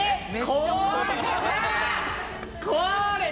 これ！